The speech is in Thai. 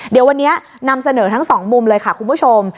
เดี๋ยววันนี้นำเสนอทั้งสองมุมเลยค่ะคุณผู้ชม